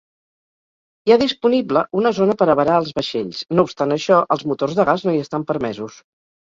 Hi ha disponible una zona per avarar els vaixells, no obstant això, els motors de gas no hi estan permesos.